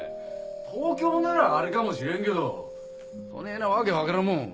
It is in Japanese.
東京ならあれかもしれんけどそねぇな訳分からんもん